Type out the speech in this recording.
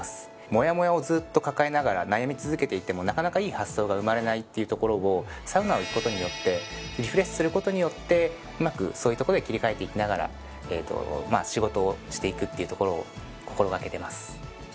もやもやをずっと抱えながら悩み続けていてもなかなかいい発想が生まれないっていうところをサウナに行くことによってリフレッシュすることによってうまくそういうとこで切り替えていきながらまあ仕事をしていくっていうところを心掛けてます。